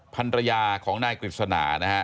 ภรรยาของนายกฤษณานะฮะ